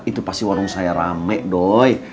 itu pasti warung saya rame dong